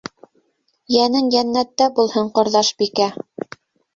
- Йәнең йәнәттә булһын, ҡорҙашбикә.